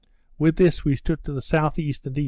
With this we stood to the S.E. and E.